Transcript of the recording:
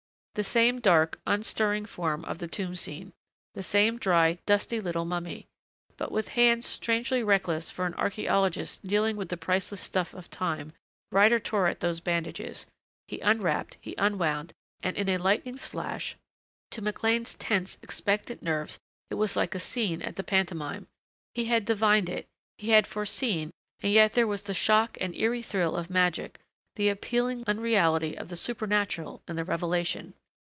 The same dark, unstirring form of the tomb scene. The same dry, dusty little mummy.... But with hands strangely reckless for an archaeologist dealing with the priceless stuff of time Ryder tore at those bandages; he unwrapped, he unwound, and in a lightning's flash To McLean's tense, expectant nerves it was like a scene at the pantomime. He had divined it; he had foreseen and yet there was the shock and eerie thrill of magic, the appealing unreality of the supernatural in the revelation.